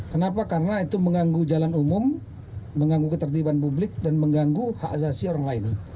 kenapa karena itu menganggu jalan umum menganggu ketertiban publik dan menganggu hak azasi orang lain